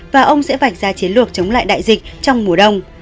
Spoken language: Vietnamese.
và ông sẽ vạch ra chiến lược chống lại đại dịch trong mùa đông